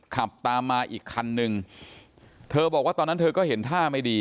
ขับตามมาอีกคันนึงเธอบอกว่าตอนนั้นเธอก็เห็นท่าไม่ดี